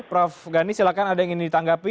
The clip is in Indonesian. prof gani silahkan ada yang ingin ditanggapi